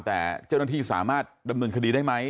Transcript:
แต่เจ้าหน้าที่สามารถดำเนินคดีได้ไหม